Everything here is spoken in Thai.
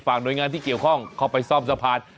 หน่วยงานที่เกี่ยวข้องเข้าไปซ่อมสะพาน